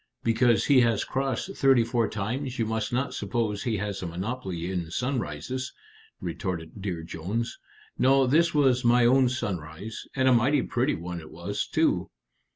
"Because he has crossed thirty four times you must not suppose he has a monopoly in sunrises," retorted Dear Jones. "No; this was my own sunrise; and a mighty pretty one it was too."